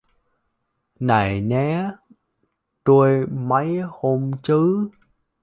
Này nhé tôi mấy hôm chứ